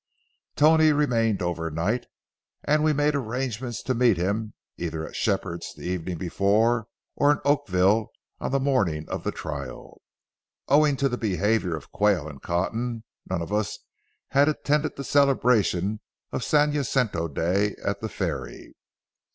Tony remained overnight, and we made arrangements to meet him, either at Shepherd's the evening before or in Oakville on the morning of the trial. Owing to the behavior of Quayle and Cotton, none of us had attended the celebration of San Jacinto Day at the ferry.